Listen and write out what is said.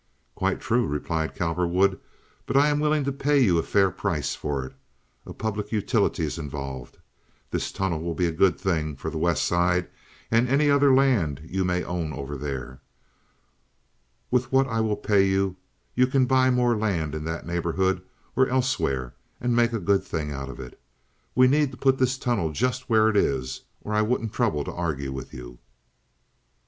"Quite true," replied Cowperwood, "but I am willing to pay you a fair price for it. A public utility is involved. This tunnel will be a good thing for the West Side and any other land you may own over there. With what I will pay you you can buy more land in that neighborhood or elsewhere, and make a good thing out of it. We need to put this tunnel just where it is, or I wouldn't trouble to argue with you.